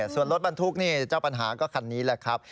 ส่วนรถบรรทุกนี่เจ้าปัญหาก็คันนี้แหละครับ